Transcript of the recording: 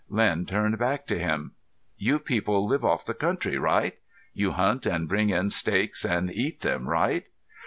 Len turned back to him. "You people live off the country, right? You hunt and bring in steaks and eat them, right?